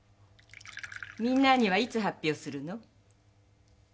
みんなにはいつ発表するの？